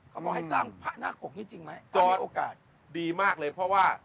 เขาบอกให้สร้างพระนาคกนี้จริงไหมจอยโอกาสดีมากเลยเพราะว่า